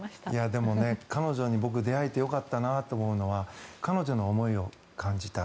でも、彼女に僕出会えてよかったなと思うのは彼女の思いを感じた。